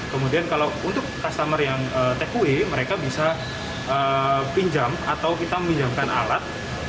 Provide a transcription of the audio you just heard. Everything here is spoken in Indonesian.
kemudian kalau untuk customer yang takeaway mereka bisa pinjam atau kita pinjamkan alat